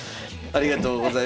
ありがとうございます。